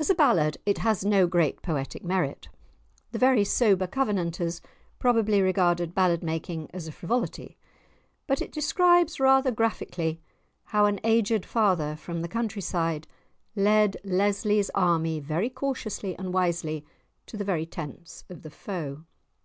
As a ballad it has no great poetic merit; the very sober Covenanters probably regarded ballad making as a frivolity. But it describes rather graphically how an "aged father," from the country side, led Lesly's army very cautiously and wisely to the very tents of the foe.